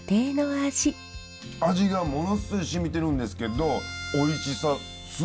味がものすごいしみてるんですけどおいしさすごいですよねえ。